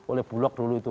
oleh bulog dulu itu